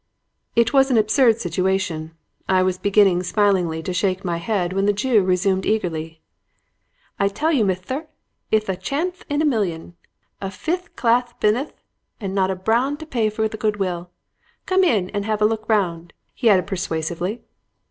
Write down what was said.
"It was an absurd situation. I was beginning smilingly to shake my head when the Jew resumed eagerly: "I tell you, misther, itth a chanth in a million. A firth clath bithneth and not a brown to pay for the goodwill. Come in and have a look round,' he added persuasively.